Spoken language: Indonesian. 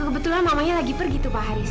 kebetulan mamanya lagi pergi tuh pak haris